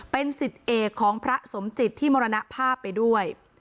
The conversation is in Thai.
เป็นสิทธิ์เอกของพระสมจิตที่มรณภาพไปด้วย